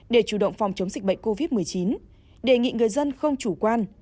để chủ động phòng chống dịch bệnh covid một mươi chín đề nghị người dân không chủ quan